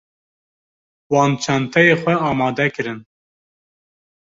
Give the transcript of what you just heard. Wan çenteyê xwe amade kirin.